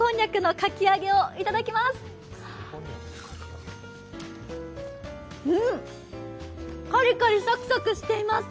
カリカリサクサクしています。